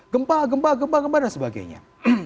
gempa gempa gempa dan sebagainya